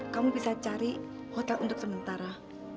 kamu bisa cari hotel untuk sementara